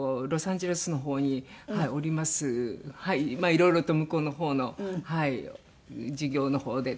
いろいろと向こうの方の事業の方で。